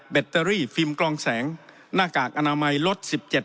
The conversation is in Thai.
ตเตอรี่ฟิล์มกลองแสงหน้ากากอนามัยลด๑๗